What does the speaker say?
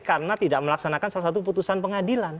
karena tidak melaksanakan salah satu putusan pengadilan